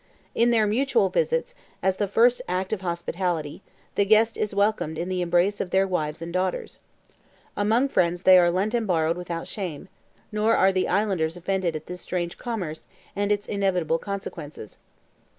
In their mutual visits, as the first act of hospitality, the guest is welcomed in the embraces of their wives and daughters: among friends they are lent and borrowed without shame; nor are the islanders offended at this strange commerce, and its inevitable consequences.